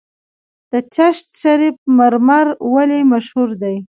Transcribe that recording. د چشت شریف مرمر ولې مشهور دي؟